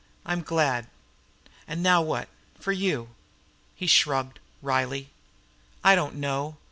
I'm glad. And now what, for you?" He shrugged wryly. "I don't know.